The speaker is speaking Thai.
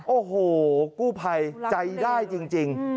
โอ้โหกู้ภัยใจได้จริง